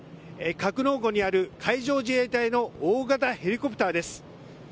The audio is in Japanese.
格納庫にある海上自衛隊の大型ヘリコプターです。